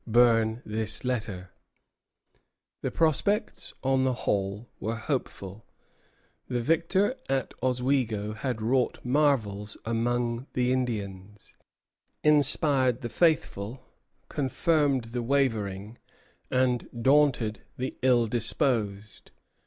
Burn this letter." The prospects, on the whole, were hopeful. The victory at Oswego had wrought marvels among the Indians, inspired the faithful, confirmed the wavering, and daunted the ill disposed.